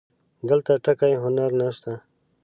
دلته ټکی هنر نه شته